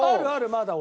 まだ俺。